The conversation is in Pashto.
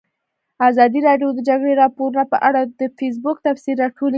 ازادي راډیو د د جګړې راپورونه په اړه د فیسبوک تبصرې راټولې کړي.